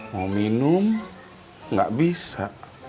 mau minum gak bisa